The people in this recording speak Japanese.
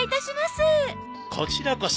こちらこそ。